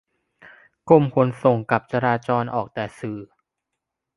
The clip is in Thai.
กรมขนส่งกับจราจรออกแต่สื่อ